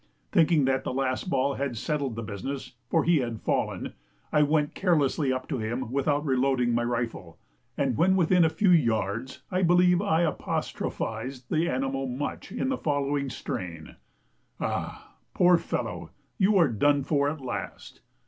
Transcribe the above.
Thinking that the last ball had settled the business, (for he had fallen,) I went carelessly up to him without re loading my rifle, and when within a few yards I believe I apostrophized the animal much in the following strain "Ah! poor fellow, you are done for at last!"